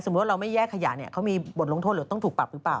เราไม่แยกขยะเนี่ยเขามีบทลงโทษหรือต้องถูกปรับหรือเปล่า